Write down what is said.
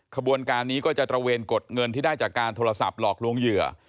ขบวนการนี้ก็จะตระเวนกดเงินที่ได้จากการโทรศัพท์หลอกลวงเหยื่อ